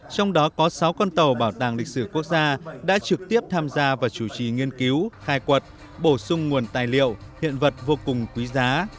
trong đó có sáu con tàu bảo tàng lịch sử quốc gia đã trực tiếp tham gia và chủ trì nghiên cứu khai quật bổ sung nguồn tài liệu hiện vật vô cùng quý giá